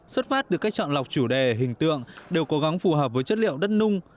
xuất phát từ cách chọn lọc chủ đề hình tượng đều cố gắng phù hợp với chất liệu đất nung